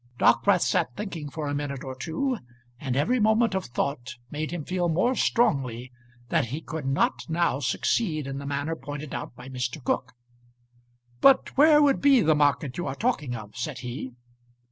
Dockwrath sat thinking for a minute or two, and every moment of thought made him feel more strongly that he could not now succeed in the manner pointed out by Mr. Cooke. "But where would be the market you are talking of?" said he.